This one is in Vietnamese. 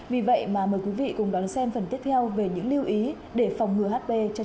vì vậy mà mời quý vị cùng đón xem phần tiếp theo về những lưu ý để phòng ngừa hp cho trẻ ngay sau đây